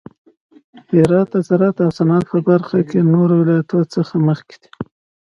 هرات د زراعت او صنعت په برخه کې د نورو ولایتونو څخه مخکې دی.